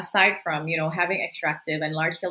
selain dari memiliki tanah kayu